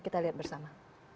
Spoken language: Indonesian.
kita lihat bersama